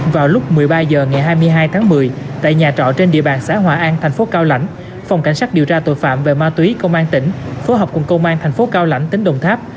vào lúc một mươi ba h ngày hai mươi hai tháng một mươi tại nhà trọ trên địa bàn xã hòa an thành phố cao lãnh phòng cảnh sát điều tra tội phạm về ma túy công an tỉnh phối hợp cùng công an thành phố cao lãnh tỉnh đồng tháp